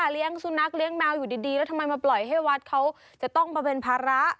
เลี้ยงสุนัขเลี้ยงแมวอยู่ดีแล้วทำไมมาปล่อยให้วัดเขาจะต้องมาเป็นภาระ